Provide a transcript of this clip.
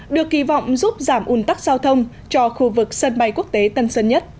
được kỳ vọng giúp giảm un tắc giao thông cho khu vực sân bay quốc tế tân sơn nhất